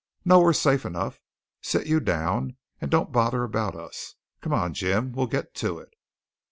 No! we're safe enough. Sit you down and don't bother about us. Come on, Jim we'll get to it."